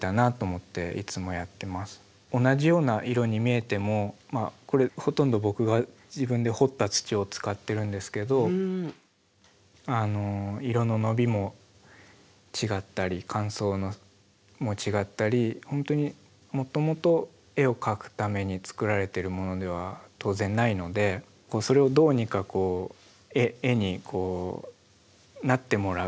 同じような色に見えてもこれほとんど僕が自分で掘った土を使ってるんですけどあの色の伸びも違ったり乾燥も違ったり本当にもともと絵を描くために作られているものでは当然ないのでそれをどうにかこう絵になってもらう。